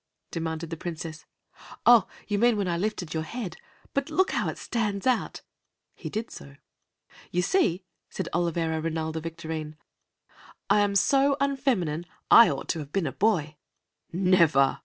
demanded the Princess. "Oh, you mean when I lifted your head. But look how it stands out." He did so. "You see," said Olivera Rinalda Victorine, "I am so unfeminine. I ought to have been a boy." "Never!"